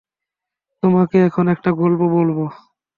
তোমাকে এখন একটা গল্প বলবো।